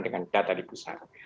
dengan data di pusat